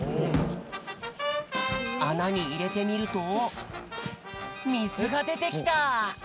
あなにいれてみるとみずがでてきた！